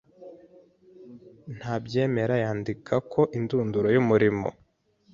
ntabyemera yandika ko indunduro yumurimo